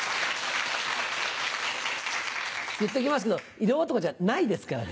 言っときますけど色男じゃないですからね。